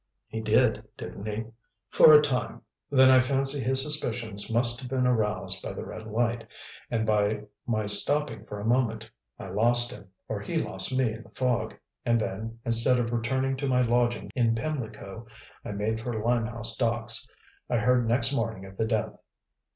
"He did, didn't he?" "For a time. Then I fancy his suspicions must have been aroused by the red light, and by my stopping for a moment. I lost him, or he lost me in the fog, and then, instead of returning to my lodgings in Pimlico, I made for Limehouse Docks. I heard next morning of the death."